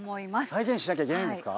再現しなきゃいけないんですか？